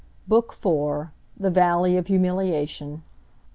BOOK FOURTH THE VALLEY OF HUMILIATION.